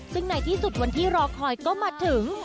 ซึ่งในที่สุดวันที่รอคอยก็มาถึง